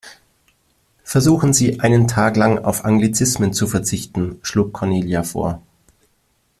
Versuchen Sie, einen Tag lang auf Anglizismen zu verzichten, schlug Cornelia vor.